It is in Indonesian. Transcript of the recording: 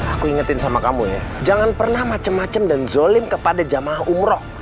aku ingetin sama kamu ya jangan pernah macem macem dan zolim kepada jamaah umroh